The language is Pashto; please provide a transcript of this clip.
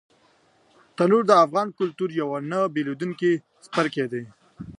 تنور د افغان کلتور یو نه بېلېدونکی څپرکی دی